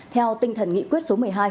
theo tinh thần nghị quyết số một mươi hai